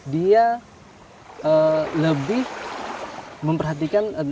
dia lebih memperhatikan keberadaan